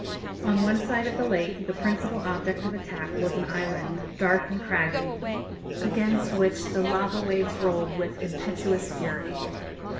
On one side of the lake the principal object of attack was an island, dark and craggy, against which the lava waves rolled with impetuous fury.